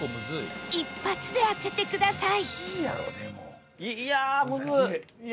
一発で当ててください